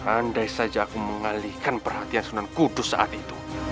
andai saja aku mengalihkan perhatian sunan kudus saat itu